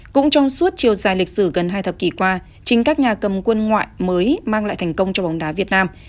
cũng trong suốt chiều dài lịch sử gần hai thập kỷ qua chính các nhà cầm quân ngoại mới mang lại thành công cho bóng đá việt nam